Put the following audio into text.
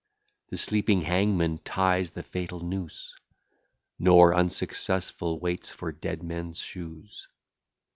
The sleeping hangman ties the fatal noose, Nor unsuccessful waits for dead men's shoes.